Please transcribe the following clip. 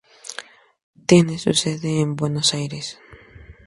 Tiene su sede en Buenos Aires.